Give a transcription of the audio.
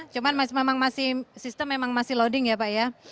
cuman memang masih sistem memang masih loading ya pak ya